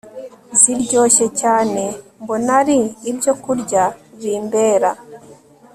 ziryoshye cyane Mbona ari ibyokurya bimbera